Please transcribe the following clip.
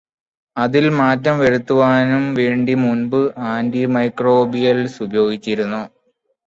അതിൽ മാറ്റം വരുത്തുവാനും വേണ്ടി മുൻപ് ആന്റിമൈക്രോബിയൽസ് ഉപയോഗിച്ചിരുന്നു.